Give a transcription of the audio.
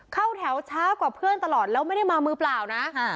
เข้าแถวช้ากว่าเพื่อนตลอดแล้วไม่ได้มามือเปล่านะ